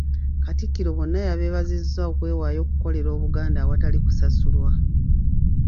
Katikkiro bonna yabeebazizza okwewaayo okukolerera Obuganda awatali kusasulwa.